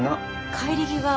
帰り際